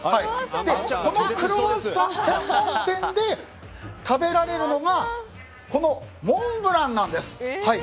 このクロワッサン専門店で食べられるのがこのモンブランなんです。